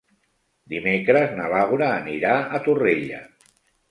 Dimecres na Laura anirà a Torrella.